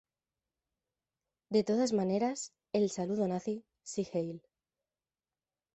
De todas maneras el saludo nazi ""Sieg, heil!